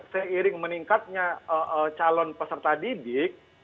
seiring meningkatnya calon peserta didik